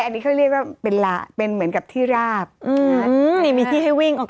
อันนี้เขาเรียกว่าเป็นเหมือนกับที่ราบอืมนี่มีที่ให้วิ่งออก